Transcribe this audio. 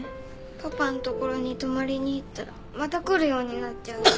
パパのところに泊まりに行ったらまた来るようになっちゃうよ。